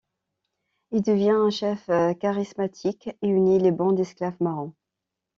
Il devient un chef charismatique et unit les bandes d'esclaves marrons.